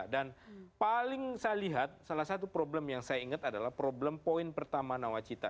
dan paling saya lihat salah satu problem yang saya ingat adalah problem poin pertama nawacita